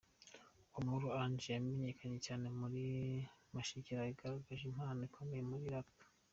Uwamahoro Angel wamenyekanye cyane muri Mashirika yagaragaje impano ikomeye muri Rap.